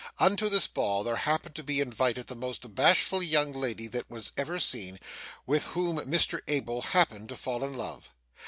Unto this ball there happened to be invited the most bashful young lady that was ever seen, with whom Mr Abel happened to fall in love.